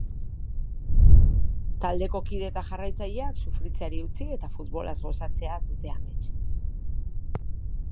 Taldeko kide eta jarraitzaileak sufritzeari utzi eta futbolaz gozatzea dute amets.